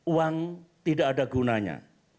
uang tidak ada gunanya